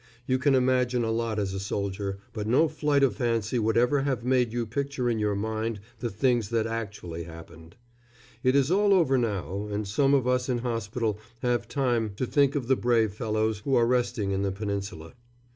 You can imagine a lot as a soldier, but no flight of fancy would ever have made you picture in your mind the things that actually happened. It is all over now, and some of us in hospital have time to think of the brave fellows who are resting in the Peninsula.